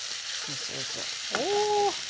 お！